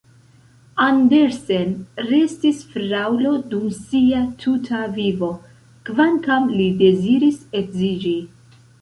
Andersen restis fraŭlo dum sia tuta vivo, kvankam li deziris edziĝi.